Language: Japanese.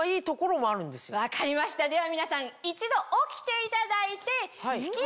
分かりましたでは皆さん一度起きていただいて。